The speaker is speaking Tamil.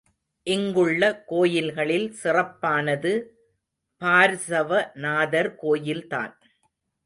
இங்குள்ள கோயில்களில் சிறப்பானது பார்ஸவ நாதர் கோயில்தான்.